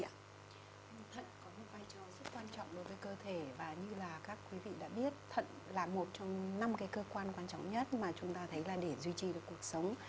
có một vai trò rất quan trọng đối với cơ thể và như là các quý vị đã biết thận là một trong năm cái cơ quan quan trọng nhất mà chúng ta thấy là để duy trì được cuộc sống